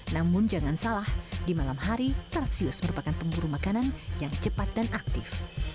namun jangan salah di malam hari tarsius merupakan pemburu makanan yang cepat dan aktif